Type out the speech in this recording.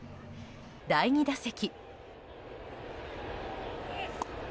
第２打席。